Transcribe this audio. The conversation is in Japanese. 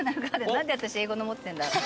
何で私英語の持ってんだ？